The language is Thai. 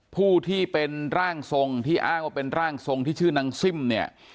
ผู้ที่เป็นร่างทรงที่อ้างว่าเป็นร่างทรงที่ชื่อนางซิ่มเนี่ย